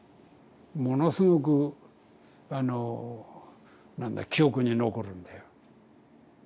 ものすごくあのなんだ記憶に残るんだよ。